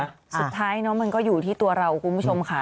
สุดท้ายเนอะมันก็อยู่ที่ตัวเราคุณผู้ชมค่ะ